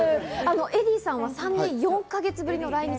エディさんは３年４か月ぶりの来日。